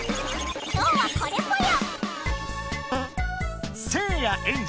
今日はこれぽよ！